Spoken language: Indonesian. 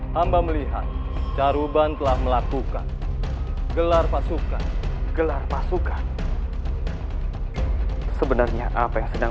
hamba melihat daruban telah melakukan gelar pasukan gelar pasukan sebenarnya apa yang sedang